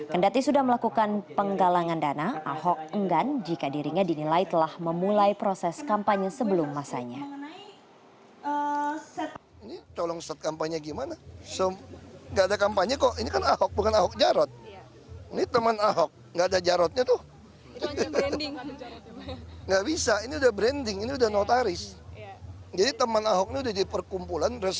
kendati sudah melakukan penggalangan dana ahok enggan jika dirinya dinilai telah memulai proses kampanye sebelum masanya